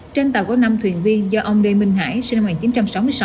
trên tàu có năm thuyền viên do ông lê minh hải sinh năm một nghìn chín trăm sáu mươi sáu